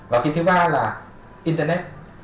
và cái thứ ba là internet